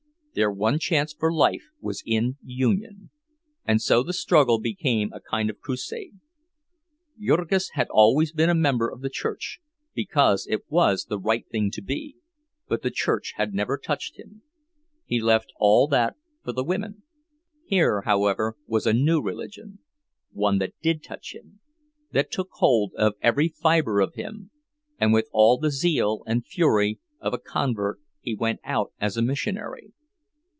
Their one chance for life was in union, and so the struggle became a kind of crusade. Jurgis had always been a member of the church, because it was the right thing to be, but the church had never touched him, he left all that for the women. Here, however, was a new religion—one that did touch him, that took hold of every fiber of him; and with all the zeal and fury of a convert he went out as a missionary.